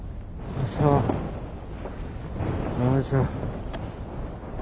よいしょ。